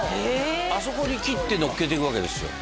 あそこに切ってのっけていくわけですよ